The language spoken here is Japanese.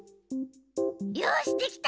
よしできた！